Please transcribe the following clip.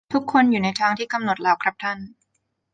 ทุกคนอยู่ในทางที่กำหนดแล้วครับท่าน